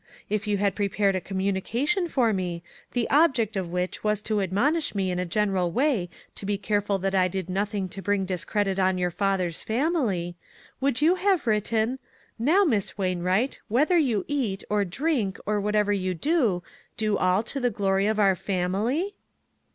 If you had prepared a communi cation for me, the object of which was to admonish me in a general way to be careful that I did nothing to bring discredit on your father's family, would you have written: 'Now, Miss Wainwright, whether you eat, or drink, or whatever you do, do all to the glory of our family?'"